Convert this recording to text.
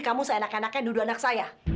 kamu seenak enaknya dulu anak saya